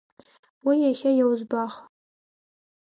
Уи иахьа иаузбах.